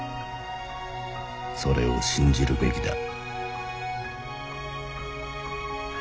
「それを信じるべきだ」